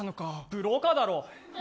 ブローカーだろ。